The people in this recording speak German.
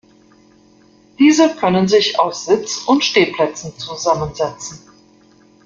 Diese können sich aus Sitz- und Stehplätzen zusammensetzen.